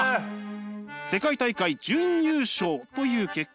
世界大会準優勝という結果。